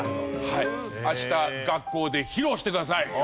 明日学校で披露してください！